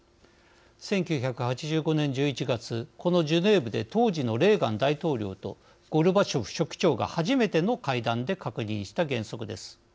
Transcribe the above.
１９８５年１１月このジュネーブで当時のレーガン大統領とゴルバチョフ書記長が初めての会談で確認した原則です。